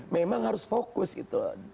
memang harus fokus gitu